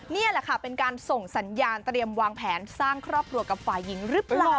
นี่แหละค่ะเป็นการส่งสัญญาณเตรียมวางแผนสร้างครอบครัวกับฝ่ายหญิงหรือเปล่า